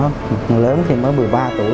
con lớn thì mới một mươi ba tuổi